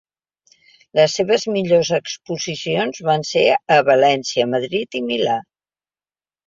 Les seves millors exposicions van ser a València, Madrid i Milà.